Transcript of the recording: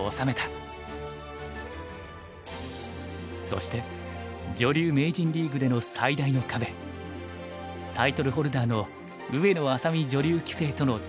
そして女流名人リーグでの最大の壁タイトルホルダーの上野愛咲美女流棋聖との対局。